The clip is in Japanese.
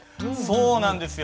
そうなんですよ。